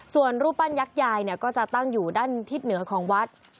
ส่วนรูปปั้นยักษ์ยายก็จะตั้งอยู่ด้านทิศเหนือของวัด